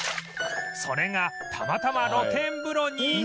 それがたまたま露天風呂に